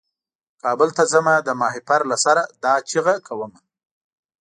کابل ته ځمه د ماهیپر له سره دا چیغه کومه.